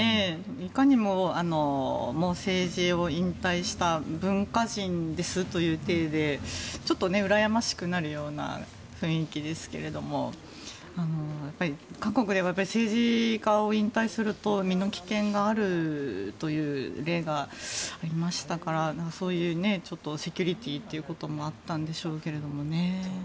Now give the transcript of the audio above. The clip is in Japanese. いかにも政治を引退した文化人ですという体でちょっとうらやましくなるような雰囲気ですけれどもやっぱり韓国でも政治家を引退すると身の危険があるという例がありましたからそういうセキュリティーということもあったんでしょうけどね。